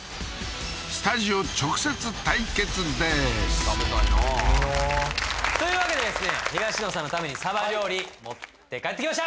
スタジオ直接対決でーす食べたいなというわけでですね東野さんのためにサバ料理持って帰ってきました